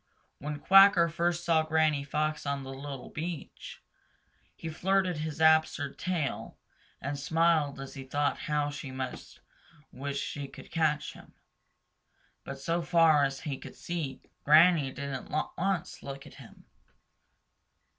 When Quacker first saw Granny Fox on the little beach, he flirted his absurd little tail and smiled as he thought how she must wish she could catch him. But so far as he could see, Granny didn't once look at him.